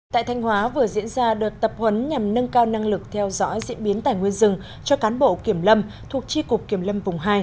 tại thanh hóa vừa diễn ra đợt tập huấn nhằm nâng cao năng lực theo dõi diễn biến tài nguyên rừng cho cán bộ kiểm lâm thuộc tri cục kiểm lâm vùng hai